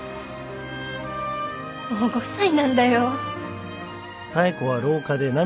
もう５歳なんだよ。